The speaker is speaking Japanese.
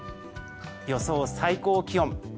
予想最高気温。